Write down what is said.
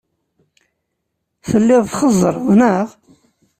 Telliḍ txeẓẓreḍ, neɣ?